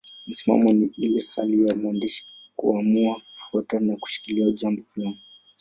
Msimamo ni ile hali ya mwandishi kuamua kufuata na kushikilia jambo fulani.